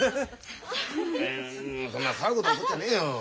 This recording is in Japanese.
んそんな騒ぐほどのこっちゃねえよ。